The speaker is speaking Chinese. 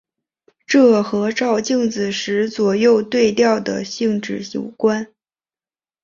这和照镜子时左右对调的性质有关。